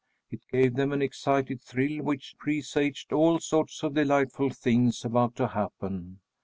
It gave them an excited thrill which presaged all sorts of delightful things about to happen.